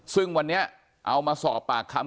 ซึ่งวันนี้เอามาสอบปากคำ